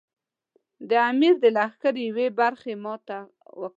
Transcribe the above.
د امیر د لښکر یوې برخې ماته وکړه.